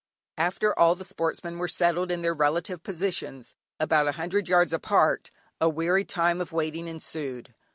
After all the sportsmen were settled in their relative positions, about a hundred yards apart, a weary time of waiting ensued.